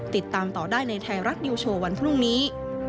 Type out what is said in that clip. ติดตามต่อได้ในไทยรัฐนิวโชว์วันพรุ่งนี้